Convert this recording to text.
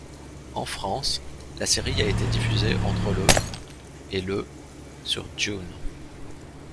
En France, la série a été diffusée entre le et le sur June.